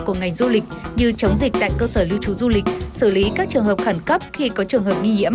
của ngành du lịch như chống dịch tại cơ sở lưu trú du lịch xử lý các trường hợp khẩn cấp khi có trường hợp nghi nhiễm